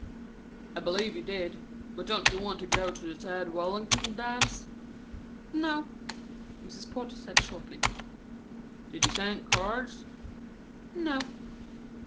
"I believe you did. But don't you want to go to the Tad Wallington dance?" "No." Mrs. Porter said shortly. "Did you send cards?" "No."